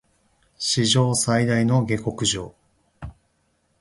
史上最大の下剋上